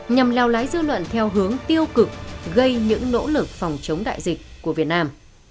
nhằm lao lái dư luận theo hướng tiêu cực gây những nỗ lực phòng chống đại dịch của việt nam